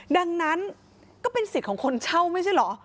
ดังนั้นก็เป็นสิทธิ์ของคนเช่าไม่ใช่เหรอ